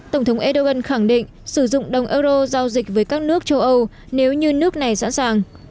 tổng thống erdogan khẳng định sử dụng đồng euro giao dịch với các nước châu âu nếu như nước này sẵn sàng